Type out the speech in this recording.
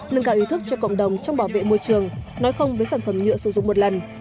nâng cao ý thức cho cộng đồng trong bảo vệ môi trường nói không với sản phẩm nhựa sử dụng một lần